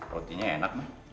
roti nya enak mah